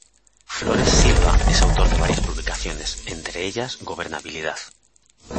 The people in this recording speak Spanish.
Flores Silva es autor de varias publicaciones, entre ellas “Gobernabilidad.